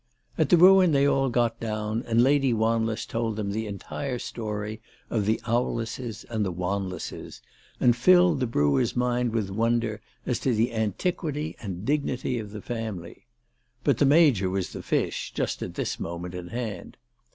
At the ruin they all got down, and Lady "VYanless told them the entire story of the Owlesses and the "Wanlesses, and filled the brewer's mind with wonder as to the antiquity and dignity of the family. But the Major was the fish just at this moment in hand.